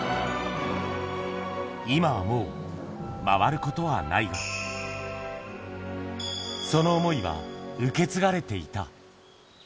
今はもう回ることはないが、その想いは受け継がれていた。